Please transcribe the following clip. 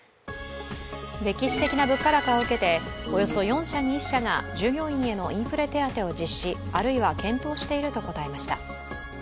歴史的な物価高を受けておよそ４社に１社が従業員へのインフレ手当を実施、あるいは検討していると答えました。